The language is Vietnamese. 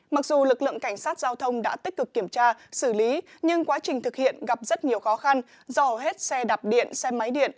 mặc dù lực lượng cảnh sát giao thông đã tích cực kiểm tra xử lý nhưng quá trình thực hiện gặp rất nhiều khó khăn do hết xe đạp điện xe máy điện